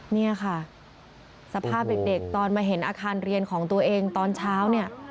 นี่ค่ะสภาพเด็กตอนมาเห็นอาคารเรียนของตัวเองตอนเช้าเนี่ย